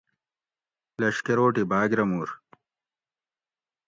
لشکروٹ ای بھاۤگ رہ مور